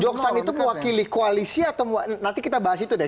joksan itu mewakili koalisi atau nanti kita bahas itu deh